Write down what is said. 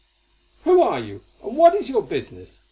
"Who are you, and what is your business?"